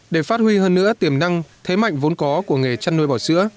để phát huy hơn nữa tiềm năng thế mạnh vốn có của nghề chăn nuôi bò sữa